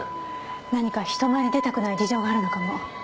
何か人前に出たくない事情があるのかも。